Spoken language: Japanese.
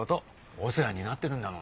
お世話になってるんだもん。